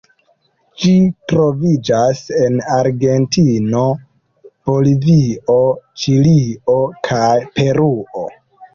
Ĝi troviĝas en Argentino, Bolivio, Ĉilio kaj Peruo.